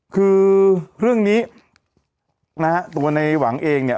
คือเรื่องนี้ตัวนายหวังเองเนี่ย